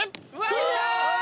クリア！